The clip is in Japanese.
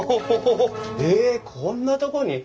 えこんなとこに？